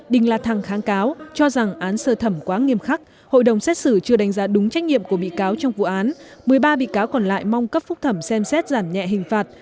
đình là thăng kháng cáo cho rằng án sơ thẩm quá nghiêm khắc hội đồng xét xử chưa đánh giá đúng trách nhiệm của bị cáo trong vụ án một mươi ba bị cáo còn lại mong cấp phúc thẩm xem xét giảm nhẹ hình phạt